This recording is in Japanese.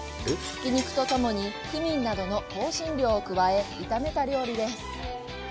ひき肉と共にクミンなどの香辛料を加え炒めた料理です。